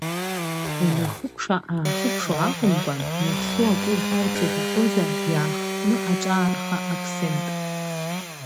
Унахыкәша-аахыкәшо акәымкәан, иаԥсоу акы уҳәарц уҭахызар, иаахтны аҿаарха, Ақсент.